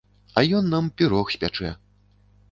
А ён нам пірог спячэ.